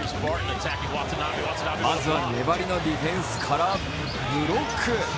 まずは、粘りのディフェンスからブロック。